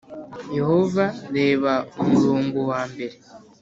Yehova reba umurongo wa mbere